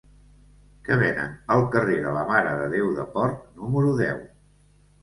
Què venen al carrer de la Mare de Déu de Port número deu?